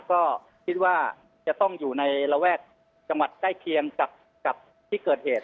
ก็คิดว่าจะต้องอยู่ในระแวกจังหวัดใกล้เคียงกับที่เกิดเหตุ